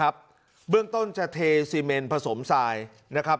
เบื้องต้นจะเทซีเมนผสมทรายนะครับ